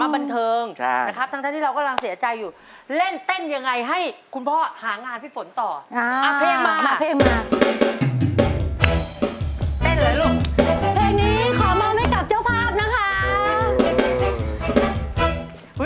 เพลงนี้ขอมองให้กับเจ้าภาพนะคะ